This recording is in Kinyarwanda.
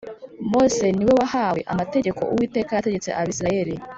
Mose niwe wahawe amategeko Uwiteka yategetse Abisirayeli